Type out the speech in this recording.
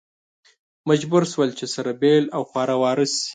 مجبور شول چې سره بېل او خواره واره شي.